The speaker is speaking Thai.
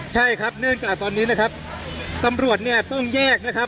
ใช่ครับเนื่องจากตอนนี้นะครับตำรวจเนี่ยต้องแยกนะครับ